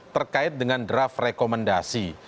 terkait dengan draft rekomendasi